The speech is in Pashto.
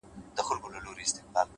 د زغم ځواک شخصیت لوړه وي؛